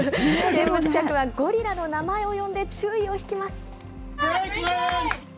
見物客はゴリラの名前を呼んで注意を引きます。